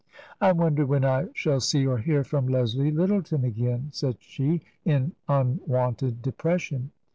" I wonder when I shall see or hear from Leslie Lyt tleton again !" said she, in unwonted depression.